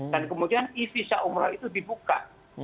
dan kemudian e visa umrah itu dibuka